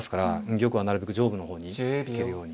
玉はなるべく上部の方に行けるように。